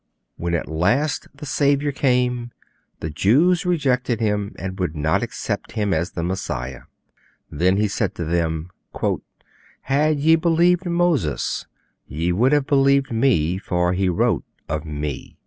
When at last the Saviour came, the Jews rejected Him and would not accept Him as the Messiah. Then He said to them: '_Had ye believed Moses, ye would have believed Me: for he wrote of Me.